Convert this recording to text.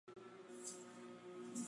蒋笃慧为台湾女性配音员。